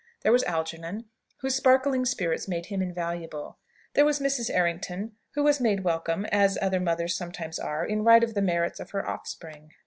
There was Algernon, whose sparkling spirits made him invaluable. There was Mrs. Errington, who was made welcome, as other mothers sometimes are, in right of the merits of her offspring.